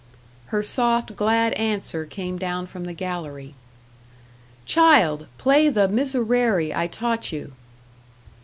Her soft, glad answer came down from the gallery. "Child, play the 'Miserere' I taught you."